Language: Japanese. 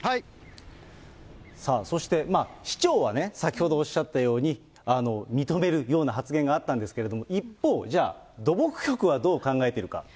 さあ、そして、市長はね、先ほどおっしゃったように、認めるような発言があったんですけど、一方、じゃあ、土木局はどう考えているか。